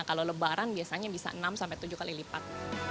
kalau lebaran biasanya bisa enam tujuh kali lipat